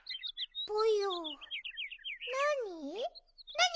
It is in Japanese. なに？